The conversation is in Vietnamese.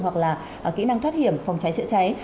hoặc là kỹ năng thoát hiểm phòng cháy chữa cháy